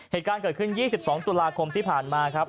เหตุการณ์เกิดขึ้น๒๒ตุลาคมที่ผ่านมาครับ